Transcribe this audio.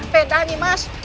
peda nyi mas